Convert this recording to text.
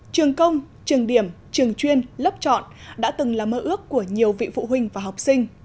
trường công trường điểm trường chuyên lớp chọn đã từng là mơ ước của nhiều vị phụ huynh và học sinh